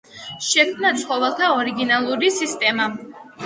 შექმნა ცხოველთა ორიგინალური სისტემა.